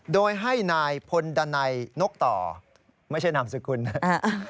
โดยให้นายพลดันัยนกต่อไม่ใช่นามสกุลนะครับ